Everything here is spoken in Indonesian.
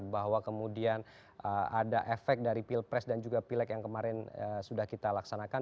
bahwa kemudian ada efek dari pilpres dan juga pileg yang kemarin sudah kita laksanakan